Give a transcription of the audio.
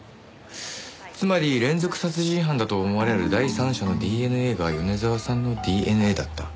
つまり連続殺人犯だと思われる第三者のＤＮＡが米沢さんのＤＮＡだった？